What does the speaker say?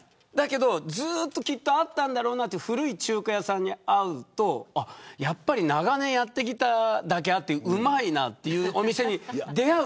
ずっとあったんだろうなという古い中華屋さんに会うと長年やってきただけあってうまいなと思うお店に出合う。